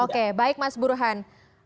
oke baik mas buruhan